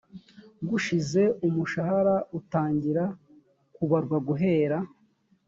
gushize umushahara utangira kubarwa guhera